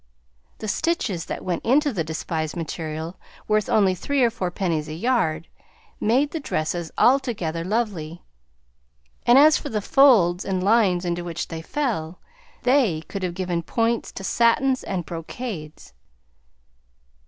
The stitches that went into the despised material, worth only three or four pennies a yard, made the dresses altogether lovely, and as for the folds and lines into which they fell, they could have given points to satins and brocades.